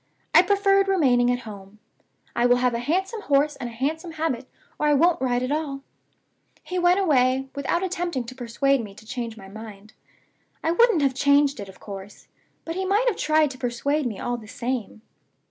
I preferred remaining at home. I will have a handsome horse and a handsome habit, or I won't ride at all. He went away, without attempting to persuade me to change my mind. I wouldn't have changed it, of course; but he might have tried to persuade me all the same.